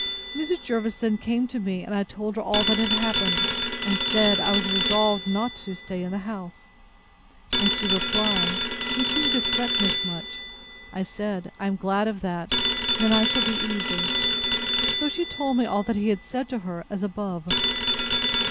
Mrs. Jervis then came to me, and I told her all that had happened, and said, I was resolved not to stay in the house: And she replying, He seemed to threaten as much; I said, I am glad of that; then I shall be easy. So she told me all he had said to her, as above.